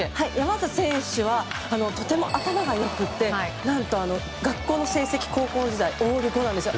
山浅選手はとても頭がよくて何と学校の成績、高校時代はオール５なんですよ。